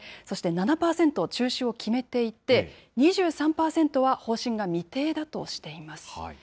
そして７％、中止を決めていて、２３％は方針が未定だとしています。